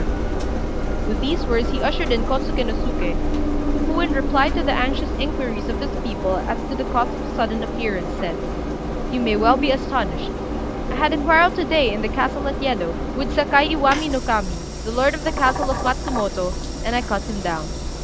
] With these words he ushered in Kôtsuké no Suké, who, in reply to the anxious inquiries of his people as to the cause of his sudden appearance, said "You may well be astonished. I had a quarrel to day in the castle at Yedo, with Sakai Iwami no Kami, the lord of the castle of Matsumoto, and I cut him down.